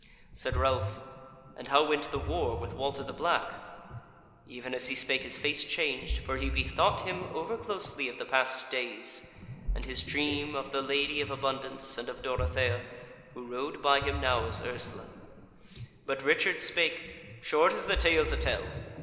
Said Ralph: "And how went the war with Walter the Black?" Even as he spake his face changed, for he bethought him over closely of the past days, and his dream of the Lady of Abundance and of Dorothea, who rode by him now as Ursula. But Richard spake: "Short is the tale to tell.